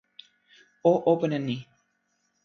o open e ni!